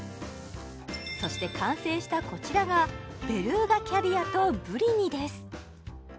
そして完成したこちらがベルーガキャビアとブリニです